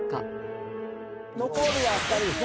残るは２人ですね。